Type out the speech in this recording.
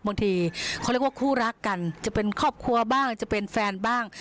บางทีเขาเรียกว่าคู่รักกันจะเป็นครอบครัวบ้างจะเป็นแฟนบ้าง